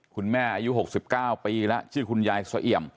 คุณแม่อายุ๖๙ปีและชื่อคุณยายสวยเหยียม